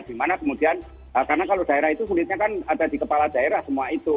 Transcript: dimana kemudian karena kalau daerah itu sulitnya kan ada di kepala daerah semua itu